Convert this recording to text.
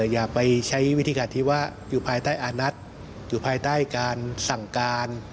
อย่าไปใช้วิธีการที่ว่าอยู่ภายใต้อานัทอยู่ภายใต้การสั่งการ